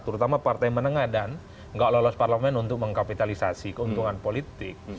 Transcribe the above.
terutama partai menengah dan nggak lolos parlemen untuk mengkapitalisasi keuntungan politik